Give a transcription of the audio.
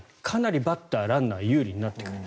かなりバッター、ランナー有利になってくる。